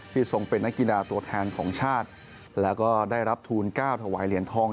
ทรงเป็นนักกีฬาตัวแทนของชาติแล้วก็ได้รับทูล๙ถวายเหรียญทอง